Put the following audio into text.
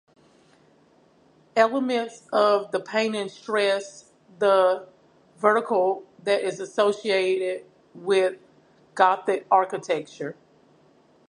Elements of the painting stress the vertical that is associated with Gothic architecture.